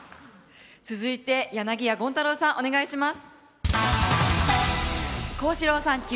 続いて柳家権太楼さんお願いします。